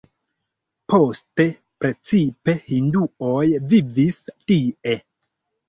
Poste precipe hinduoj vivis tie.